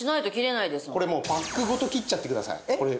これもうパックごと切っちゃってください。